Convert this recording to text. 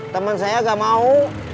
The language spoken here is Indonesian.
temen saya gak mau